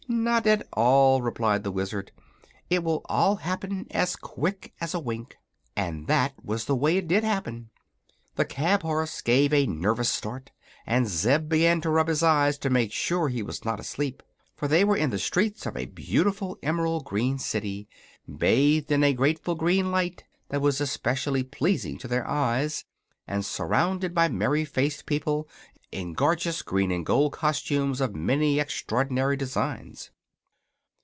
"Not at all," replied the Wizard. "It will all happen as quick as a wink." And that was the way it did happen. The cab horse gave a nervous start and Zeb began to rub his eyes to make sure he was not asleep. For they were in the streets of a beautiful emerald green city, bathed in a grateful green light that was especially pleasing to their eyes, and surrounded by merry faced people in gorgeous green and gold costumes of many extraordinary designs.